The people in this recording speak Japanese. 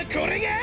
あ。